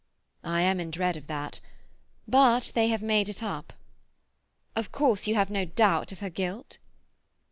"I am in dread of that. But they may have made it up." "Of course you have no doubt of her guilt?"